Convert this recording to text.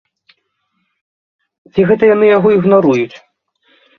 Ці гэта яны яго ігнаруюць?